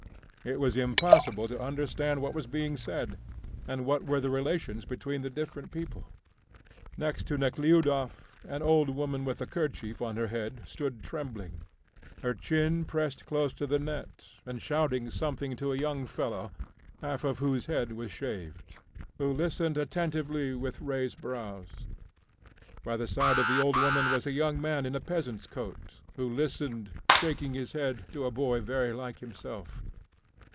It was impossible to understand what was being said and what were the relations between the different people. Next Nekhludoff an old woman with a kerchief on her head stood trembling, her chin pressed close to the net, and shouting something to a young fellow, half of whose head was shaved, who listened attentively with raised brows. By the side of the old woman was a young man in a peasant's coat, who listened, shaking his head, to a boy very like himself.